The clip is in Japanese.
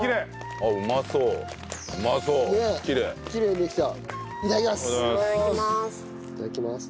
いただきます。